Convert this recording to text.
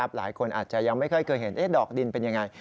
หลายคนอาจจะยังไม่ค่อยเคยเห็นดอกดินเป็นยังไง